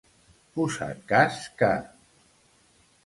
Posat cas que.